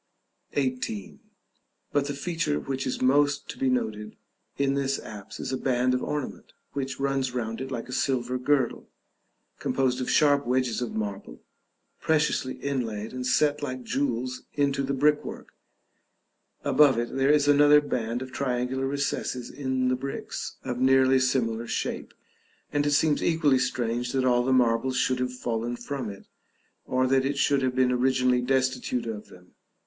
§ XVIII. But the feature which is most to be noted in this apse is a band of ornament, which runs round it like a silver girdle, composed of sharp wedges of marble, preciously inlaid, and set like jewels into the brickwork; above it there is another band of triangular recesses in the bricks, of nearly similar shape, and it seems equally strange that all the marbles should have fallen from it, or that it should have been originally destitute of them.